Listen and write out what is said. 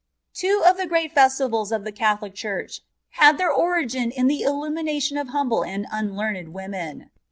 Two of the great festivals of the Catholic Church had their origin in the illumination of humble and unlearned women.